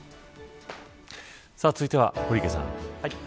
続いては、堀池さん。